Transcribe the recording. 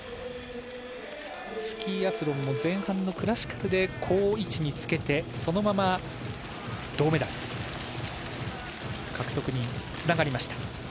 スキーアスロンも前半のクラシカルで好位置につけてそのまま銅メダル獲得につながりました。